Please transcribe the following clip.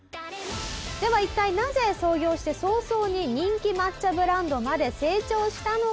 では一体なぜ創業して早々に人気抹茶ブランドまで成長したのか？